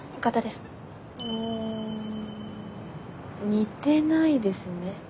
似てないですね。